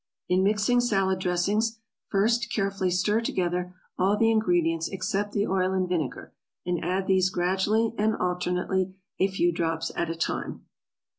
In mixing salad dressings, first, carefully stir together all the ingredients except the oil and vinegar, and add these gradually and alternately a few drops at a time.